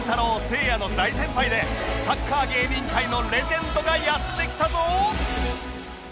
せいやの大先輩でサッカー芸人界のレジェンドがやって来たぞ！